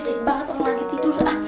berisik banget aku lagi tidur